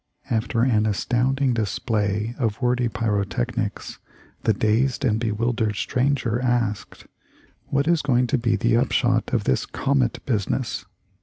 After an astounding display of wordy pyrotechnics the dazed and bewildered stranger asked : 'What is going to be the up shot of this comet business?'